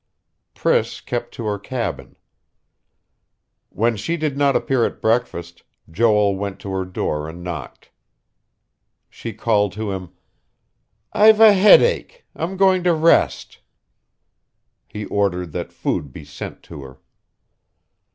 Priss kept to her cabin. When she did not appear at breakfast, Joel went to her door and knocked. She called to him: "I've a headache. I'm going to rest." He ordered that food be sent to her....